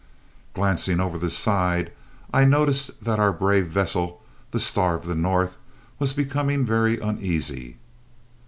Glancing over the side, I noticed that our brave vessel, the Star of the North, was becoming very uneasy.